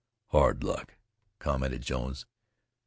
"Hard luck!" commented Jones.